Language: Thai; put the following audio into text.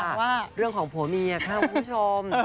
ว่าเรื่องของผัวเมียครับคุณผู้ชม